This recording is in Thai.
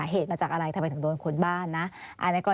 เหตุมาจากอะไรทำไมถึงโดนคนบ้านนะ